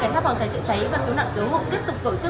sau một mươi phút tổ chức trị cháy đám cháy cơ bản được công chế